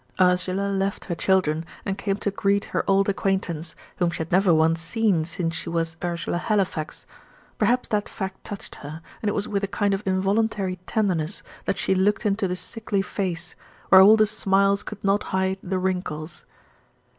Ursula left her children, and came to greet her old acquaintance, whom she had never once seen since she was Ursula Halifax. Perhaps that fact touched her, and it was with a kind of involuntary tenderness that she looked into the sickly face, where all the smiles could not hide the wrinkles.